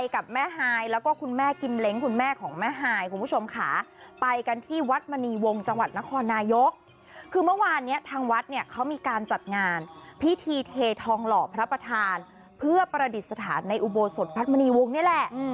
ของจังหวัดนครนายกคือเมื่อวานเนี่ยทางวัดเนี่ยเขามีการจัดงานพิธีเททองหล่อพระประธานเพื่อประดิษฐานในอุโบสถ์พระมณีวงค์นี่แหละ